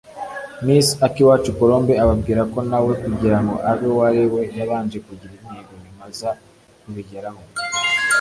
Miss Akiwacu Colombe ababwira ko na we kugira ngo abe uwo ariwe yabanje kugira intego nyuma aza kubigeraho